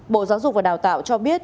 bộ giáo dục và đào tạo cho biết